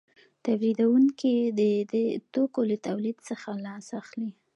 تولیدونکي د دې توکو له تولید څخه لاس اخلي